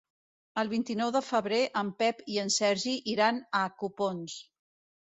El vint-i-nou de febrer en Pep i en Sergi iran a Copons.